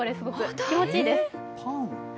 気持ちいいです。